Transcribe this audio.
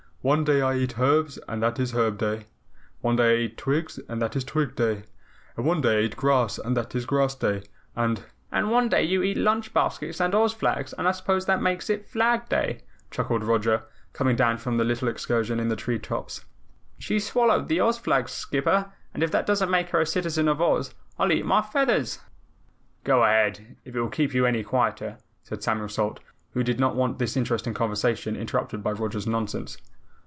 "One day I eat herbs and that is Herb Day. One day I eat twigs and that is Twig Day, and one day I eat grass and that is Grass Day, and " "And one day you eat lunch baskets and Oz flags, and I suppose that makes it Flag Day," chuckled Roger, coming down from a little excursion in the tree tops. "She's swallowed the Oz flags, Skipper, and if that doesn't make her a citizen of Oz, I'll eat my feathers." "Go ahead, if it will keep you any quieter," said Samuel Salt, who did not want this interesting conversation interrupted by Roger's nonsense.